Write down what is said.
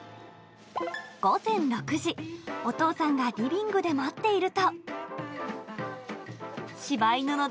午前６時、お父さんがリビングで待っていると。